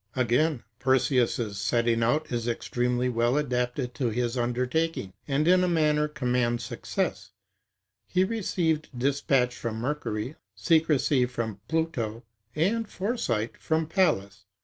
Again, Perseus's setting out is extremely well adapted to his undertaking, and in a manner commands success; he received dispatch from Mercury, secrecy from Pluto, and foresight from Pallas.